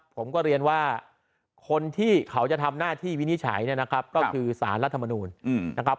ผมก็เรียนว่าคนที่เขาจะทำหน้าที่วินิจฉัยเนี่ยนะครับก็คือสารรัฐมนูลนะครับ